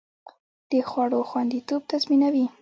د خوړو خوندیتوب تضمینوي.